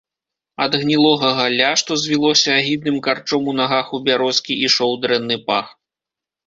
Ад гнілога галля, што звілося агідным карчом у нагах у бярозкі, ішоў дрэнны пах.